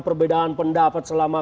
perbedaan pendapat selama